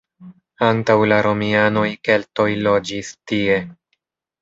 Antaŭ la romianoj keltoj loĝis tie.